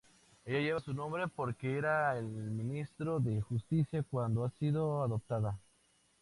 Ella lleva su nombre porque era el ministro de Justicia cuando ha sido adoptada.